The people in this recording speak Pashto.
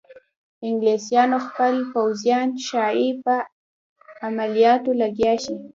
انګلیسیانو خپل پوځیان ښایي په عملیاتو لګیا شي.